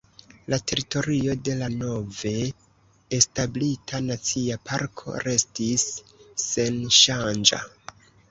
La teritorio de la nove establita nacia parko restis senŝanĝa.